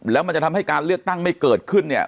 แล้วมันจะทำให้การเลือกตั้งไม่เกิดขึ้นเนี่ย